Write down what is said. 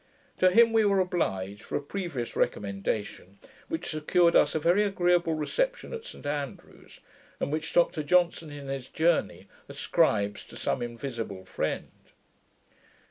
To him we were obliged for a previous recommendation, which secured us a very agreeable reception at St Andrews, and which Dr Johnson, in his Journey, ascribes to 'some invisible friend'.